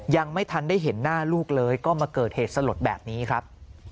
ยังไม่ทันได้เห็นหน้าลูกเลยก็มาเกิดเหตุสลดแบบนี้ครับ